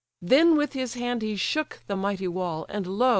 Then with his hand he shook the mighty wall; And lo!